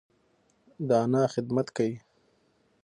د انا خدمت کيي.